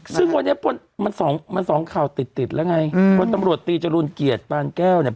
ซึ่งวันนี้มันสองข่าวติดแล้วไงคนตำรวจตีจรวนเกียจปานแก้วเนี่ย